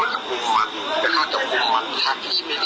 ก่อนจะไปพูดประเด็นเรื่องดีกว่าที่มีอะไร